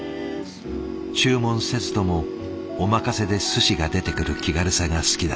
注文せずともお任せですしが出てくる気軽さが好きだった。